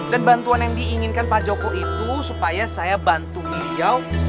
dan bantuan yang diinginkan pak joko itu supaya saya bantu dia